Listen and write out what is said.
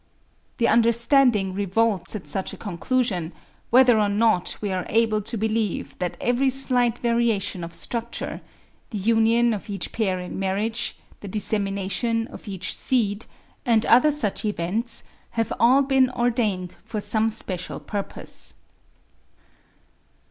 The understanding revolts at such a conclusion, whether or not we are able to believe that every slight variation of structure,—the union of each pair in marriage, the dissemination of each seed,—and other such events, have all been ordained for some special purpose.